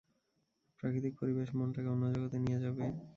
প্রাকৃতিক পরিবেশ মনটাকে অন্য জগতে নিয়ে যাবে।